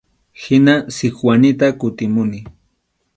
Hina Sikwanita kutimuni.